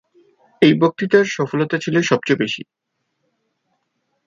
এই বক্তৃতার সফলতা ছিল সবচেয়ে বেশি।